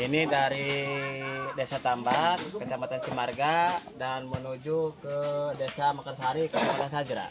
ini dari desa tambak kecamatan cimarga dan menuju ke desa makan sari kecamatan sajira